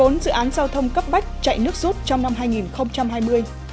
một mươi bốn dự án giao thông cấp bách chạy nước rút trong năm hai nghìn hai mươi